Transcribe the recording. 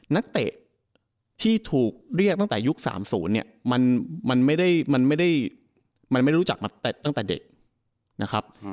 นักเตะที่ถูกเรียกตั้งแต่ยุค๓๐เนี่ยมันไม่ได้มันไม่รู้จักมาตั้งแต่เด็กนะครับ